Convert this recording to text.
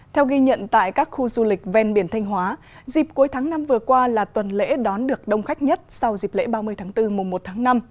theo ghi nhận tại các khu du lịch ven biển thanh hóa dịp cuối tháng năm vừa qua là tuần lễ đón được đông khách nhất sau dịp lễ ba mươi tháng bốn mùa một tháng năm